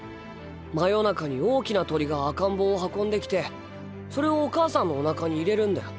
真夜中に大きな鳥が赤ん坊を運んできてそれをお母さんのおなかに入れるんだ。